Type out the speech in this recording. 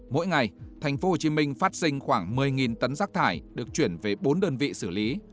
mỗi ngày tp hcm phát sinh khoảng một mươi tấn rác thải được chuyển về bốn đơn vị xử lý